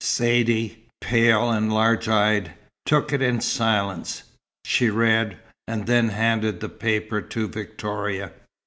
Saidee, pale and large eyed, took it in silence. She read, and then handed the paper to Victoria.